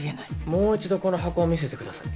もう１度この箱を見せてください。